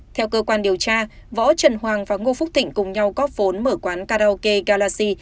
theo cơ quan điều tra võ trần hoàng và ngô phúc thịnh cùng nhau góp vốn mở quán karaoke galaxy